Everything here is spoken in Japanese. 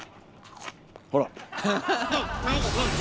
ほら！